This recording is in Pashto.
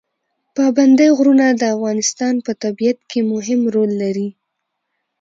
پابندی غرونه د افغانستان په طبیعت کې مهم رول لري.